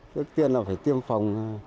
trước tiên là phải tiêm phòng